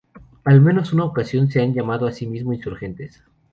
En al menos una ocasión se han llamado a sí mismos insurgentes.